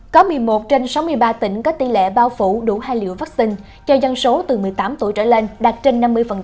có một mươi một trên sáu mươi ba tỉnh có tỷ lệ bao phủ đủ hai liều vaccine cho dân số từ một mươi tám tuổi trở lên đạt trên năm mươi